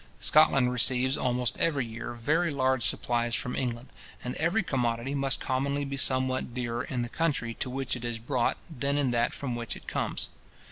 Scotland receives almost every year very large supplies from England, and every commodity must commonly be somewhat dearer in the country to which it is brought than in that from which it comes.